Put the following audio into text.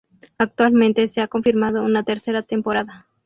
Actualmente se ha confirmado una tercera temporada.